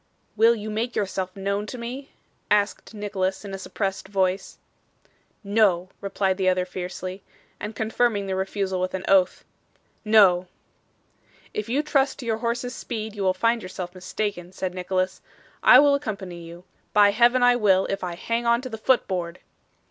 'Will you make yourself known to me?' asked Nicholas in a suppressed voice. 'No,' replied the other fiercely, and confirming the refusal with an oath. 'No.' 'If you trust to your horse's speed, you will find yourself mistaken,' said Nicholas. 'I will accompany you. By Heaven I will, if I hang on to the foot board.